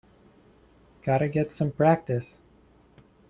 Got to get some practice.